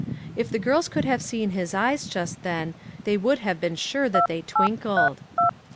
If the girls could have seen his eyes just then, they would have been sure that they twinkled.